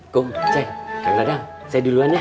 kau cek kak nadang saya duluan ya